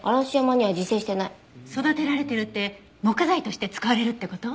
育てられてるって木材として使われるって事？